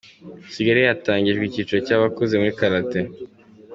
Kigali Hatangijwe icyiciro cy’abakuze muri karate